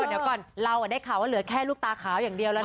เดี๋ยวก่อนเราได้ข่าวว่าเหลือแค่ลูกตาขาวอย่างเดียวแล้วนะ